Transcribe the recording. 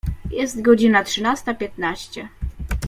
Jest godzina trzynasta piętnaście.